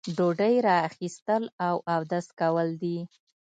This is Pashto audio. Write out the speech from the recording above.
ډوډۍ را اخیستل او اودس کول دي.